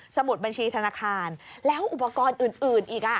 มุดบัญชีธนาคารแล้วอุปกรณ์อื่นอีก